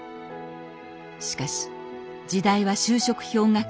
しかし時代は就職氷河期。